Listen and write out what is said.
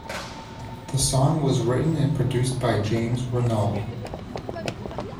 The song was written and produced by James Renald.